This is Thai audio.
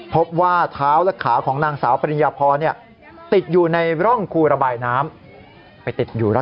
พบว่าเท้าและขาของนางสาวปริญญาพร